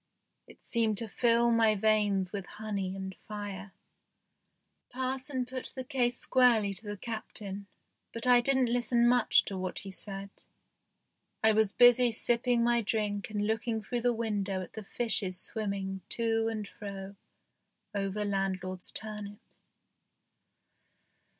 It seemed to fill my veins with honey and fire. Parson put the case squarely to the Captain, but I didn't listen much to what he said ; I was busy sipping my drink and looking through the window at the fishes swimming to and fro over landlord's turnips.